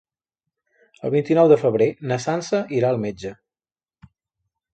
El vint-i-nou de febrer na Sança irà al metge.